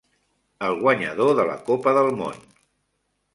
El guanyador de la copa del món.